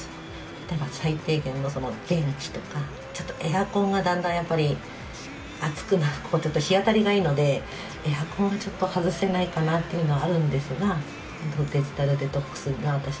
例えば最低限の電気とかちょっとエアコンがだんだんやっぱり暑くここちょっと日当たりがいいのでエアコンはちょっと外せないかなっていうのはあるんですがデジタルデトックスが私はいいかなと思います。